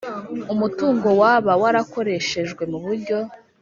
umutungo waba warakoreshejwe mu buryo